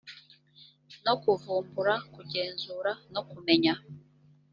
no kuvumbura kugenzura no kumenya